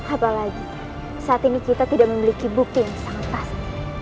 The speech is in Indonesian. apalagi saat ini kita tidak memiliki bukti yang sangat pas